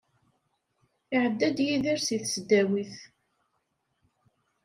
Iεedda-d Yidir si tesdawit.